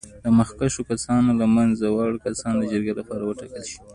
د مخکښو کسانو له منځه وړ کسان د جرګې لپاره وټاکل شي.